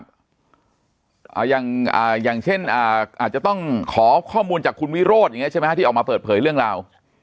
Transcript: ครับอ่าอย่างอ่าอย่างเช่นอ่าอาจจะต้องขอข้อมูลจากคุณวิโรธอย่างเงี้ยใช่ไหมฮะที่ออกมาเปิดเผยเรื่องราว